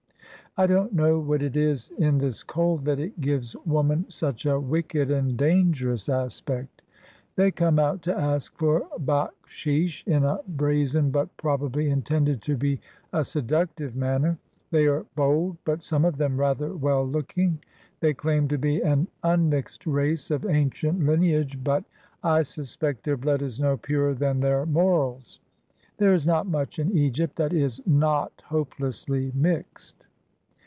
I don't know what it is in this kohl that it gives woman such a wicked and danger ous aspect. They come out to ask for baksheesh in a brazen, but probably intended to be a seductive manner; they are bold, but some of them rather well looking. They claim to be an immixed race of ancient lineage; but I suspect their blood is no purer than their morals. There is not much in Egypt that is not hopelessly mixed.